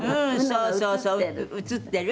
「そうそうそう。映ってる？」